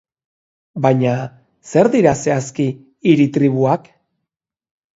Baina, zer dira zehazki hiri-tribuak?